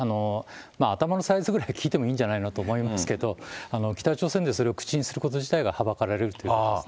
頭のサイズぐらい聞いてもいいんじゃないのと思いますけど、北朝鮮で口にすること自体がはばかられるということですね。